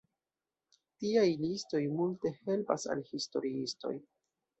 Tiaj listoj multe helpas al historiistoj.